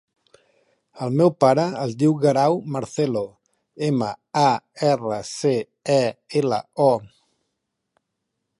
El meu pare es diu Guerau Marcelo: ema, a, erra, ce, e, ela, o.